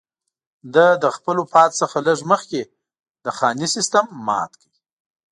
ده له خپل وفات څخه لږ مخکې د خاني سېسټم مات کړ.